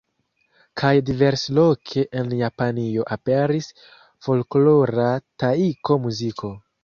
Kaj diversloke en Japanio aperis folklora Taiko-muziko.